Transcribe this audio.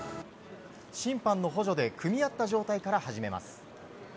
審判の補助で組み合った状態から始めます。